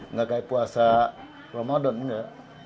nggak kayak puasa ramadan enggak